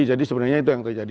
jadi sebenarnya itu yang terjadi